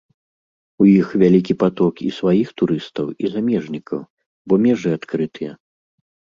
У іх вялікі паток і сваіх турыстаў, і замежнікаў, бо межы адкрытыя.